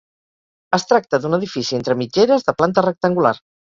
Es tracta d'un edifici entre mitgeres de planta rectangular.